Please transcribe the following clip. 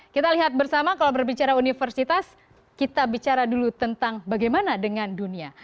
kita lihat bersama kalau berbicara universitas kita bicara dulu tentang bagaimana dengan dunia